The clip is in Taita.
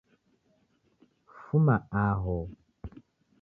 Fuma aho